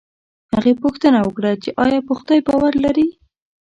هغې پوښتنه وکړه چې ایا په خدای باور لرې